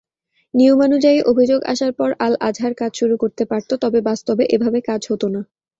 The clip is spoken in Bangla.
নিয়মানুযায়ী অভিযোগ আসার পর আল-আজহার কাজ শুরু করতে পারত, তবে বাস্তবে এভাবে কাজ হত না।